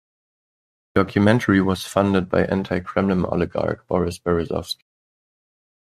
The documentary was funded by anti-Kremlin oligarch Boris Berezovsky.